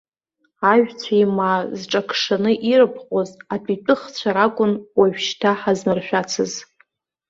Ажәцәеимаа зҿакшаны ирыпҟоз, атәитәыхцәа ракәын уажәшьҭа ҳазмыршәацыз!